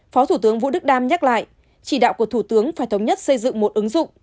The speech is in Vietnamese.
phó thủ tướng vũ đức đam nhắc lại chỉ đạo của thủ tướng phải thống nhất xây dựng một ứng dụng